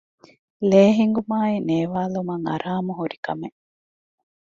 ލޭހިނގުމާއި ނޭވާލުމަށް އަރާމުހުރި ކަމެއް